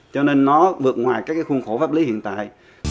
cho nên nó vượt ngoài các khuôn khổ pháp lý hiện tại